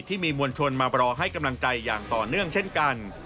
มวลชนมารอให้กำลังใจอย่างต่อเนื่องเช่นกัน